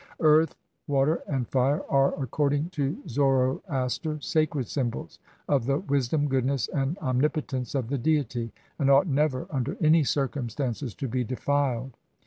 Earth, water, and fire are, according to Zoroaster, sacred symbols of the wisdom, goodness, and omnipo tence of the Deity, and ought never, under any circum stances, to be defiled.